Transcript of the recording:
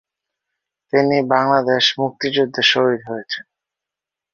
তিনি বাংলাদেশ মুক্তিযুদ্ধে শহীদ হয়েছেন।